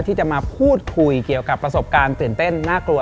ที่จะมาพูดคุยเกี่ยวกับประสบการณ์ตื่นเต้นน่ากลัว